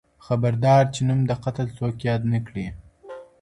خبردار چي نوم د قتل څوك ياد نه كړي